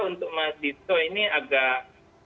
untuk mas dito ini agak